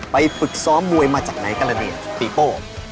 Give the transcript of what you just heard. ไปปึกซ้อมมวยมาจากไหนกันล่ะนี่ปีปโบ